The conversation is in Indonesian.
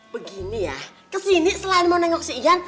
begini ya kesini selain mau nengok si ian